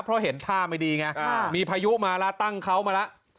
เพราะเห็นท่าไม่ดีไงมีพายุมาแล้วตั้งเขามาแล้ว